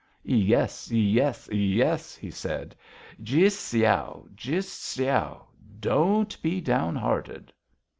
"Yies, yies, yies," he said. "Jist saow, jist saow.... Don't be downhearted!"